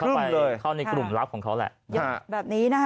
เอาคนเข้าไปเข้าในกลุ่มลับของเขาแหละ